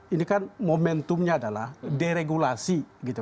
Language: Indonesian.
ini kan momentumnya adalah deregulasi gitu